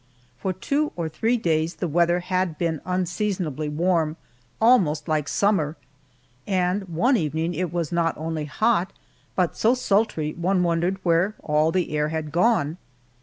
For two or three days the weather had been unseasonably warm almost like summer and one evening it was not only hot, but so sultry one wondered where all the air had gone.